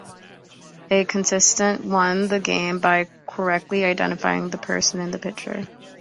A contestant won the game by correctly identifying the person in the picture.